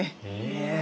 え。